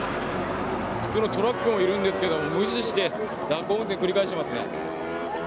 普通のトラックもいるんですが無視して蛇行運転を繰り返していますね。